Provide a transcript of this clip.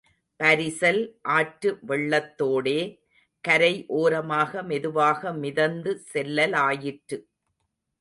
பரிசல் ஆற்று வெள்ளத்தோடே கரை ஓரமாக மெதுவாக மிதந்து செல்லலாயிற்று.